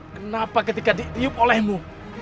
kenapa ketika diidip olehmu